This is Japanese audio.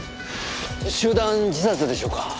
集団自殺でしょうか？